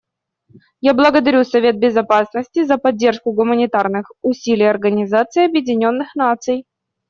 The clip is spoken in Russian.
Я благодарю Совет Безопасности за поддержку гуманитарных усилий Организации Объединенных Наций.